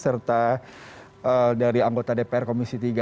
serta dari anggota dpr komisi tiga